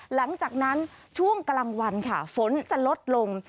หลังจากนั้นช่วงกลางวันค่ะฝนจะลดลง